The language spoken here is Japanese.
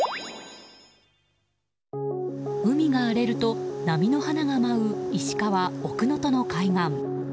海が荒れると波の花が舞う石川・奥能登の海岸。